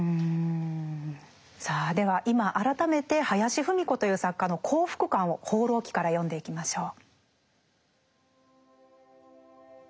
さあでは今改めて林芙美子という作家の幸福感を「放浪記」から読んでいきましょう。